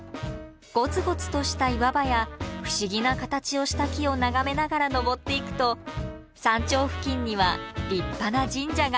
ゴツゴツとした岩場や不思議な形をした木を眺めながら登っていくと山頂付近には立派な神社が。